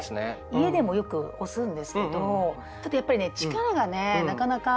家でもよく押すんですけどちょっとやっぱりね力がねなかなか。